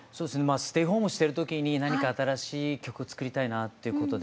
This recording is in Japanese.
ステイホームしてる時に何か新しい曲作りたいなっていうことで。